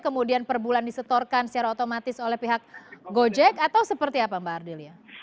kemudian per bulan disetorkan secara otomatis oleh pihak gojek atau seperti apa mbak ardelia